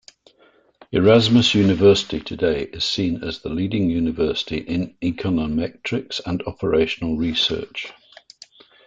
Erasmus University today is seen as the leading university in Econometrics and Operational Research.